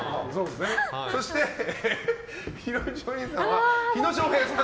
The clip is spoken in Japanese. そして、ひろみちおにいさんは火野正平さん。